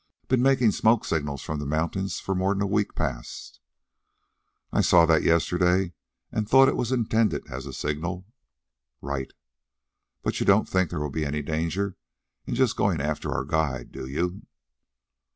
Been making smoke signals from the mountains for more'n a week past " "I saw that yesterday and thought it was intended as a signal." "Right." "But you don't think there will be any danger in just going after our guide, do you?"